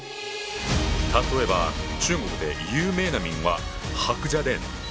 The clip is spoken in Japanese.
例えば中国で有名な民話「白蛇伝」。